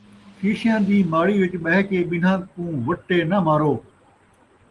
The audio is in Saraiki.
شیشیاں دی ماڑی ءِچ ٻہہ کے ٻنہاں کوں وٹے ناں مارو